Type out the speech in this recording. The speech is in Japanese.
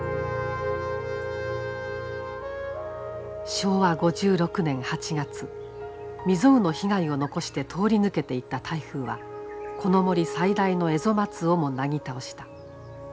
昭和５６年８月未曽有の被害を残して通り抜けていった台風はこの森最大のエゾマツをもなぎ倒した。